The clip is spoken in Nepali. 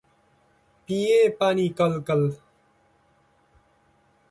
पिएँ पानी कलकल ।